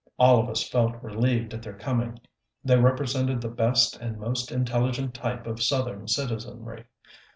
All of us felt relieved at their coming: they represented the best and most intelligent type of southern citizenry.